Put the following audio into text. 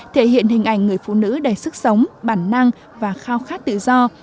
thể hiện hình ảnh người phụ nữ đầy sức sống bản năng và khao khát tự do